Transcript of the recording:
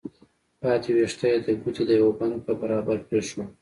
پاتې ويښته يې د ګوتې د يوه بند په برابر پرېښوول.